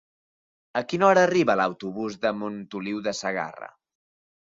A quina hora arriba l'autobús de Montoliu de Segarra?